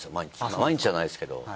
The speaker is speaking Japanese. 毎日じゃないですけど。